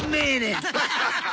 ハハハハ。